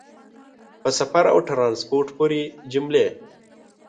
په سفر او ټرانسپورټ پورې جملې